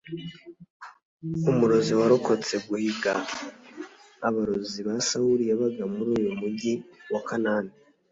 Umurozi warokotse guhiga abarozi ba Sawuli yabaga muri uyu mujyi wa Kanani